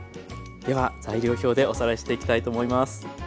では材料表でおさらいしていきたいと思います。